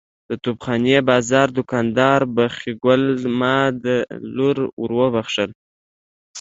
د توپ خانې بازار دوکاندار بخۍ ګل ماد لور ور وبخښله.